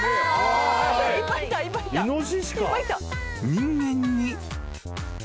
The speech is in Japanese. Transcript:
［人間に］